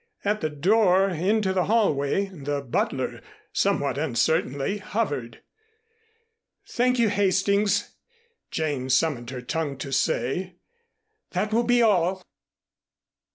At the door into the hallway, the butler, somewhat uncertainly, hovered. "Thank you, Hastings," Jane summoned her tongue to say. "That will be all."